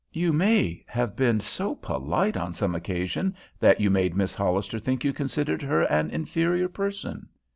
You may have been so polite on some occasion that you made Miss Hollister think you considered her an inferior person.